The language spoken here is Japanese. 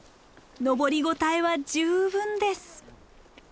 登りごたえは十分です。